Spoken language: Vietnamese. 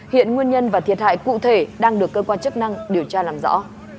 hiện nguyên nhân và thiệt hại cụ thể đang được cơ quan chức năng điều tra làm rõ